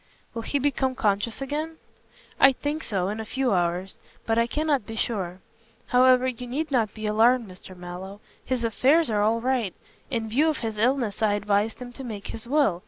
"Will he become conscious again?" "I think so, in a few hours, but I cannot be sure. However, you need not be alarmed, Mr. Mallow. His affairs are all right. In view of his illness I advised him to make his will.